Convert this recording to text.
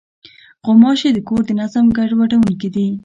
غوماشې د کور د نظم ګډوډوونکې دي.